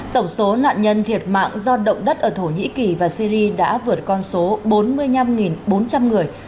tổng số nạn nhân thiệt mạng do động đất ở thổ nhĩ kỳ và syri đã vượt con số bốn mươi năm bốn trăm linh người